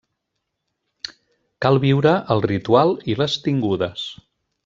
Cal viure el Ritual i les Tingudes.